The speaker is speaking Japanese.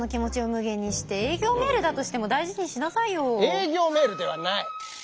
営業メールではない！